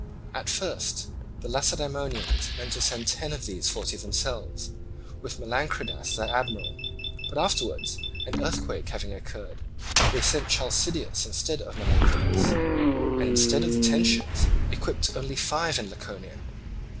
At first the Lacedaemonians meant to send ten of these forty themselves, with Melanchridas their admiral; but afterwards, an earthquake having occurred, they sent Chalcideus instead of Melanchridas, and instead of the ten ships equipped only five in Laconia.